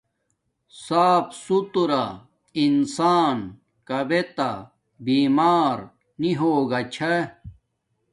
صاف ستھرا انسان کابے تا بیمار نی ہوگا چھا